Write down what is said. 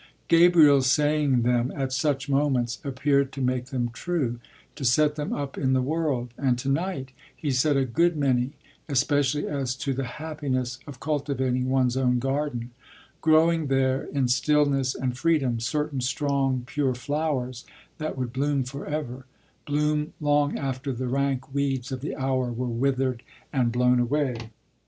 Gabriel's saying them at such moments appeared to make them true, to set them up in the world, and to night he said a good many, especially as to the happiness of cultivating one's own garden, growing there, in stillness and freedom, certain strong, pure flowers that would bloom for ever, bloom long after the rank weeds of the hour were withered and blown away.